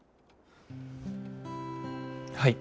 はい。